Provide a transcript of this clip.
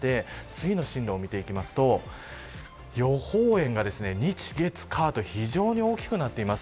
次の進路を見ていきますと予報円が日、月、火と非常に大きいです。